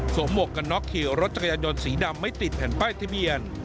หมวกกันน็อกขี่รถจักรยานยนต์สีดำไม่ติดแผ่นป้ายทะเบียน